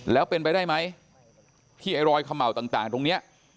แล้วเป็นไปได้ไหมที่ไอ้รอยเขม่าต่างตรงนี้